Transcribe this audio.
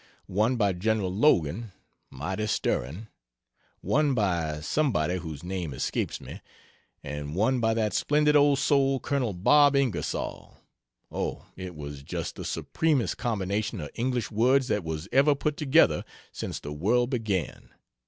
one by Gen. Logan (mighty stirring), one by somebody whose name escapes me, and one by that splendid old soul, Col. Bob Ingersoll, oh, it was just the supremest combination of English words that was ever put together since the world began.